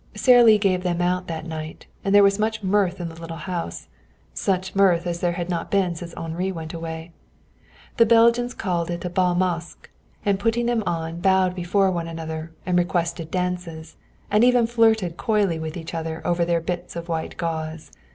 Sara Lee gave them out that night, and there was much mirth in the little house, such mirth as there had not been since Henri went away. The Belgians called it a bal masque, and putting them on bowed before one another and requested dances, and even flirted coyly with each other over their bits of white gauze.